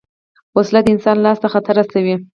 وسله د انسان لاس ته خطر رسوي